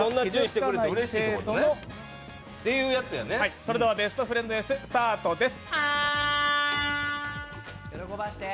それでは「ベストフレンドＳ」スタートです。